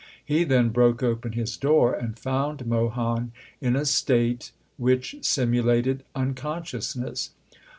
He then broke open his door, and found Mohan in a state which simulated uncon sciousness.